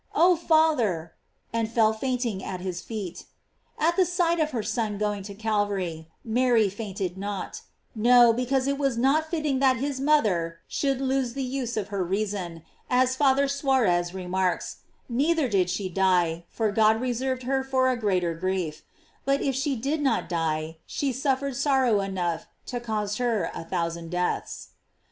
oh, father! arid fell fainting at his feet. At the sight of her Son going to Calvary, Mary fainted not; no, be cause it was not fitting that his mother should lose the use of her reason, as Father Suarez re marks, neither did she die, for God reserved her for a greater grief; but if she did not die, she suffered sorrow enough to cause h^r a thousand deaths.